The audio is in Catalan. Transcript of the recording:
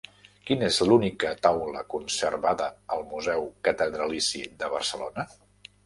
Quina és l'única taula conservada al museu Catedralici de Barcelona?